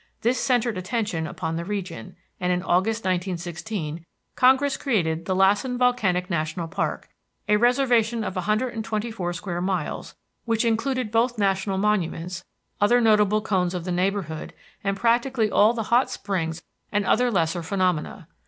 This centred attention upon the region, and in August, 1916, Congress created the Lassen Volcanic National Park, a reservation of a hundred and twenty four square miles, which included both national monuments, other notable cones of the neighborhood, and practically all the hot springs and other lesser phenomena.